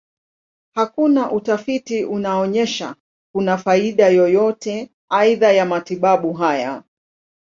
Hakuna utafiti unaonyesha kuna faida yoyote aidha ya matibabu haya.